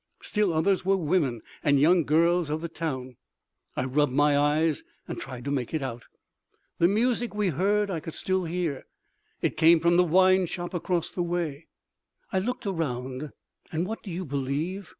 Still others were women and young girls of the town. I rubbed my eyes and tried to make it out! The music we heard I could still hear—it came from the wine shop across the way. I looked around and what do you believe?